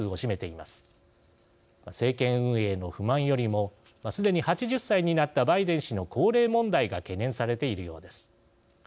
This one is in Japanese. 政権運営への不満よりもすでに８０歳になったバイデン氏の高齢問題が懸念されているようです。